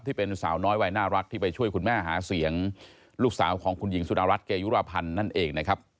ที่เป็นสาวน้อยวัยน่ารักที่ไปช่วยคุณแม่หาเสียงลูกสาวของคุณหญิงสุดารัฐเกยุราพันธ์นั่นเองนะครับ